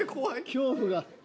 恐怖が。